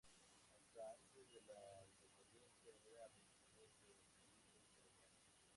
Hasta antes de la independencia era el Regidor del Cabildo Colonial.